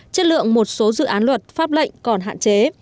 chất lượng một số dự án luật pháp lệnh còn hạn chế